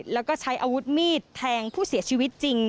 แล้วก็ใช้อาวุธมีดแทงผู้เสียชีวิตจริง